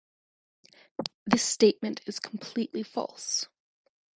This statement is completely false.